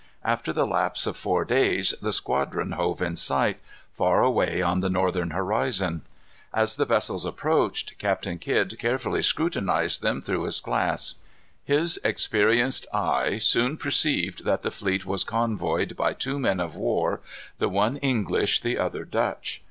After the lapse of four days the squadron hove in sight, far away on the northern horizon. As the vessels approached, Captain Kidd carefully scrutinized them through his glass. His experienced eye soon perceived that the fleet was convoyed by two men of war, the one English, the other Dutch.